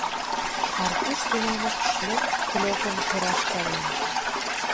Аркуш тунамак Шлёп-клёпым кыраш каен.